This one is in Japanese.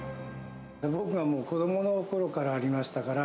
僕がもう子どものころからありましたから。